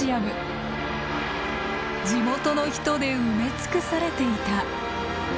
地元の人で埋め尽くされていた。